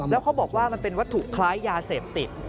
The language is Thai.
แล้วเขาบอกว่ามันเป็นวัตถุคล้ายยาเสพติด